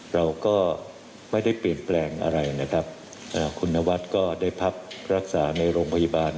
เราก็ไม่ได้เปลี่ยนแปลงอะไรนะครับคุณนวัดก็ได้พักรักษาในโรงพยาบาล